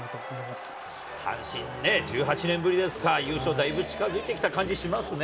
阪神、１８年ぶりですか、優勝、だいぶ近づいてきた感じしますね。